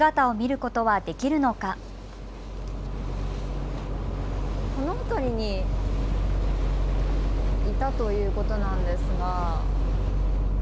この辺りにいたということなんですが。